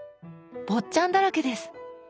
「坊っちゃん」だらけです。